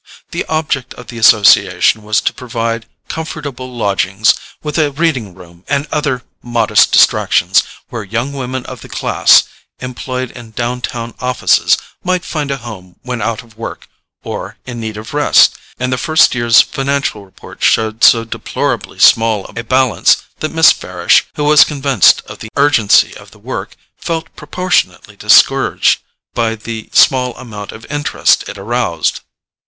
The object of the association was to provide comfortable lodgings, with a reading room and other modest distractions, where young women of the class employed in downtown offices might find a home when out of work, or in need of rest, and the first year's financial report showed so deplorably small a balance that Miss Farish, who was convinced of the urgency of the work, felt proportionately discouraged by the small amount of interest it aroused.